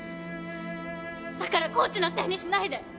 だからコーチのせいにしないで。